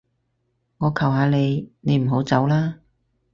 我求下你，你唔好走啦